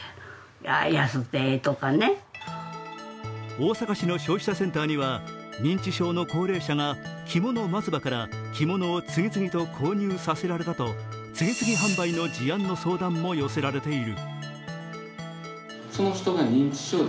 大阪市の消費者センターには認知症の高齢者がきもの松葉から着物を次々と購入させられたと次々販売の事案の相談も寄せられている。